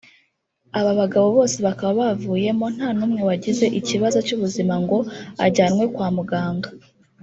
Aba bagabo bose bakaba bavuyemo nta numwe wagize ikibazo cy’ubuzima ngo ajyanwe kwa Muganga